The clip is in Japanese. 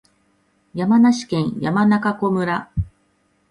山梨県山中湖村